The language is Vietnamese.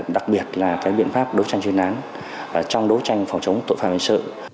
đặc biệt là biện pháp đấu tranh chuyên án trong đấu tranh phòng chống tội phạm hành sự